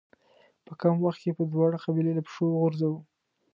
په کم وخت کې به دواړه قبيلې له پښو وغورځوو.